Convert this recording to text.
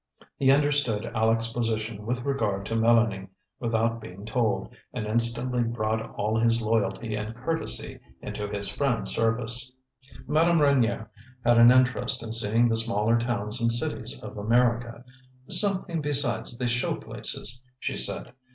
He understood Aleck's position with regard to Mélanie without being told, and instantly brought all his loyalty and courtesy into his friend's service. Madame Reynier had an interest in seeing the smaller towns and cities of America; "something besides the show places," she said.